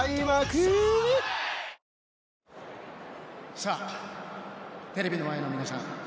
さあ、テレビの前の皆さん